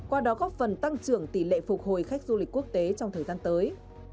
qua đó góp phần tăng trưởng tỷ lệ phục hồi